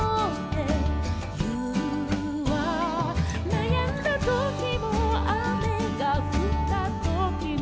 「なやんだときも雨がふったときも」